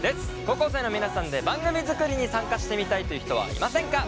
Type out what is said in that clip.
高校生の皆さんで番組作りに参加してみたいという人はいませんか？